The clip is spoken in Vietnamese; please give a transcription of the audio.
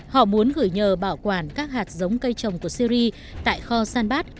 họ muốn gửi nhờ bảo quản các hạt giống cây trồng của syri tại kho sanbat